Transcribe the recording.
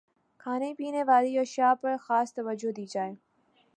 کھانے پینے والی اشیا پرخاص توجہ دی جائے